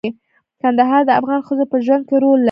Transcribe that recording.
کندهار د افغان ښځو په ژوند کې رول لري.